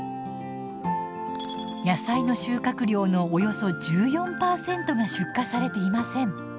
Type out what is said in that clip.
野菜の収穫量のおよそ１４％が出荷されていません。